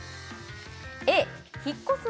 Ａ引っ越す